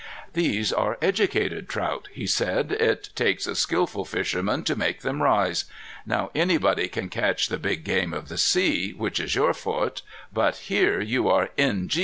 "These are educated trout," he said. "It takes a skillful fisherman to make them rise. Now anybody can catch the big game of the sea, which is your forte. But here you are N.